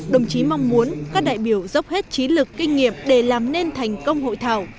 đồng chí mong muốn các đại biểu dốc hết trí lực kinh nghiệm để làm nên thành công hội thảo